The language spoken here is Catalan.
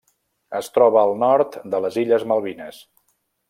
Es troba al nord de les illes Malvines.